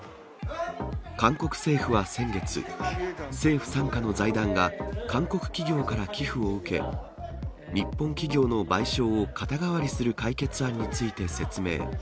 韓国政府は先月、政府傘下の財団が、韓国企業から寄付を受け、日本企業の賠償を肩代わりする解決案について説明。